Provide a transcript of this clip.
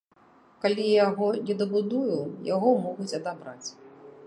Калі я яго не дабудую, яго могуць адабраць.